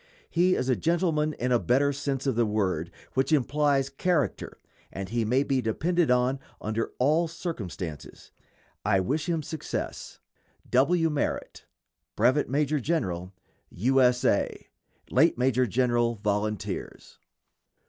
He is a gentleman in a better sense of the word which implies character, and he may be depended on under all circumstances. I wish him success. W. MERRITT, Brevet Major General U. S. A. _Late Major General Volunteers.